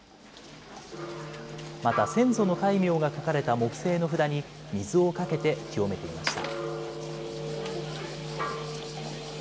また、先祖の戒名が書かれた木製の札に水をかけて清めていました。